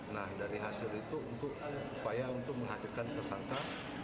nah dari hasil itu untuk upaya untuk menghadirkan tersangka